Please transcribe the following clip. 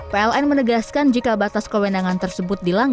pln menegaskan jika batas kewenangan tersebut